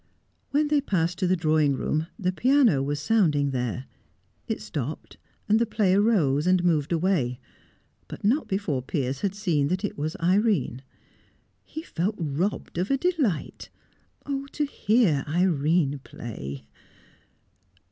When they passed to the drawing room, the piano was sounding there. It stopped; the player rose, and moved away, but not before Piers had seen that it was Irene. He felt robbed of a delight. Oh, to hear Irene play!